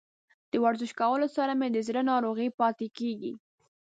د ورزش کولو سره مې زړه روغ پاتې کیږي.